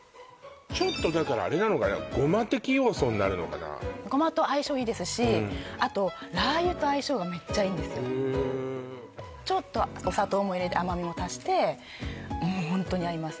ちょっとだからあれなのかなゴマ的要素になるのかなゴマと相性いいですしあとラー油と相性がメッチャいいんですよへちょっとお砂糖も入れて甘みも足してもうホントに合います